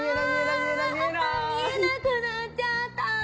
見えなくなっちゃった！